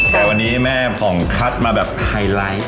แต่วันนี้แม่ผ่องคัดมาแบบไฮไลท์